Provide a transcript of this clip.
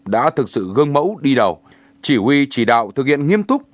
đã thực sự gương mẫu đi đầu chỉ huy chỉ đạo thực hiện nghiêm túc